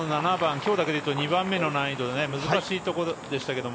今日だけでいうと２番目の難易度の７番、難しいところでしたけれども。